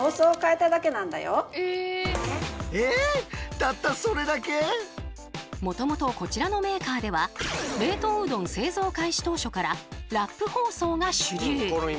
でもそれだと実はもともとこちらのメーカーでは冷凍うどん製造開始当初からラップ包装が主流。